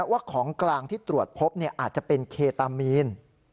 ว่าของกลางที่ตรวจพบอาจจะเป็นเคตามีน